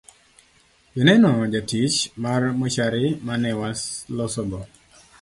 Joneno jatich mar mochari mane walosogo